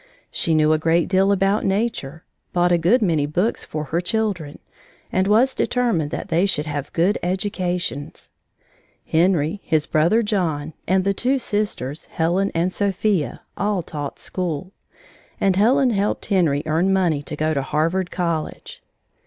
She knew a great deal about nature, bought a good many books for her children, and was determined that they should have good educations. Henry, his brother John, and the two sisters, Helen and Sophia, all taught school. And Helen helped Henry earn money to go to Harvard College.